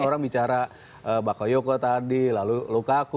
orang bicara bakayoko tadi lalu lukaku